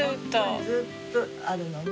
ずっとあるのね。